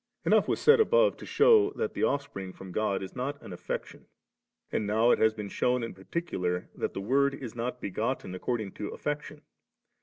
Enough was said above to shew that the offspring from God is not an affection; and now it has been shewn in particular that the Word is not begotten according to affection.